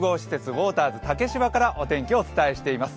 ウォーターズ竹芝からお天気をお伝えしています。